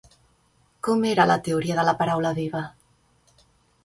Com era la teoria de la paraula viva?